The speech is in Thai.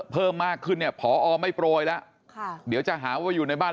เพิ่มมากขึ้นเนี่ยพอไม่โปรยแล้วค่ะเดี๋ยวจะหาว่าอยู่ในบ้าน